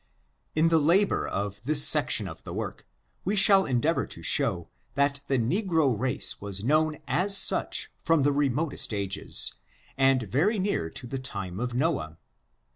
In the labor of this section of the work, we shall endeavor to show that the negro race was known as such from the remotest ages, and very near to the time of Noah.